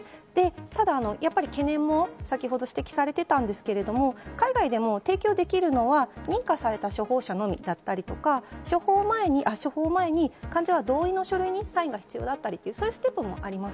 ただ懸念も先ほど指摘されていたんですけれども海外でも提供できるのは認可された処方者のみだったりとか処方前に患者は同意の書類にサインが必要だったりと、そういうステップもあります。